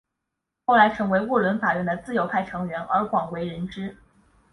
后来成为沃伦法院的自由派成员而广为人知。